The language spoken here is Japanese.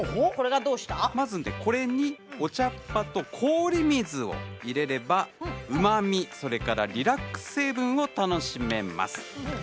これにお茶っ葉と氷水を入れれば、うまみそれからリラックス成分を楽しめます。